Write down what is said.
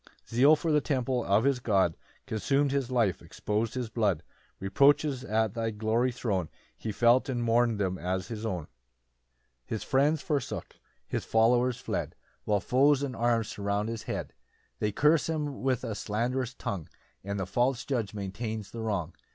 ] 4 [Zeal for the temple of his God Consum'd his life, expos'd his blood: Reproaches at thy glory thrown He felt, and mourn'd them as his own.] 5 [His friends forsook, his followers fled, While foes and arms surround his head; They curse him with a slanderous tongue, And the false judge maintains the wrong.